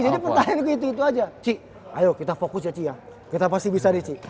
jadi pertanyaan itu aja ci ayo kita fokus ya ci ya kita pasti bisa nih ci